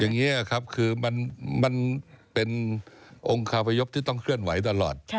อย่างนี้ครับคือมันเป็นองค์คาพยพที่ต้องเคลื่อนไหวตลอด